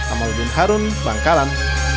amaluddin harun bang kalan